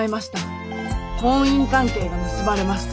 婚姻関係が結ばれました。